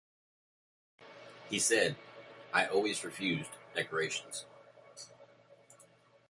He said: I always refused decorations.